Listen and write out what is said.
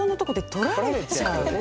「取られちゃう」。